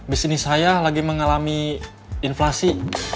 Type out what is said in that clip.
bisnis saya lagi mengalami inflasi